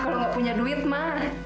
kalau nggak punya duit mah